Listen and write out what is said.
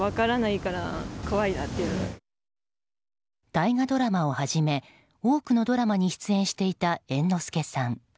大河ドラマをはじめ多くのドラマに出演していた猿之助さん。